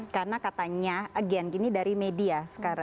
karena katanya agian gini dari media